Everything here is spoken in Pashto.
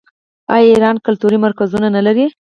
آیا ایران کلتوري مرکزونه نلري؟